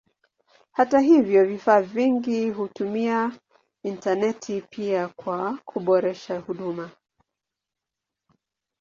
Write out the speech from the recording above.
Hata hivyo vifaa vingi hutumia intaneti pia kwa kuboresha huduma.